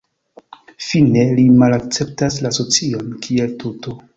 Fine, li malakceptas la socion kiel tuto.